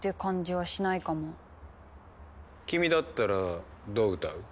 君だったらどう歌う？